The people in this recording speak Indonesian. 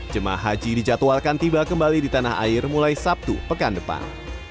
jemaah haji dijadwalkan tiba kembali di tanah air mulai sabtu pekan depan